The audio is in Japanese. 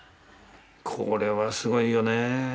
これはすごいよね